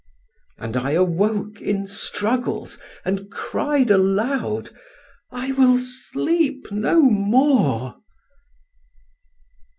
And I awoke in struggles, and cried aloud—"I will sleep no more."